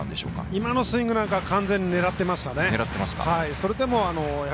今のスイングも完全に狙っていましたね。